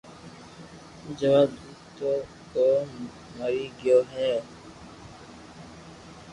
جواب ديدو ڪو او مري گيو ھي